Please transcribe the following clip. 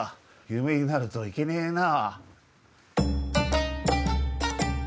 夢になるといけねえな。